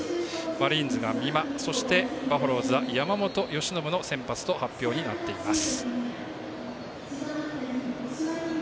マリーンズが美馬そして、バファローズは山本由伸の先発と発表になっています。